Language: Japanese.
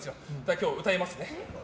今日、歌いますね。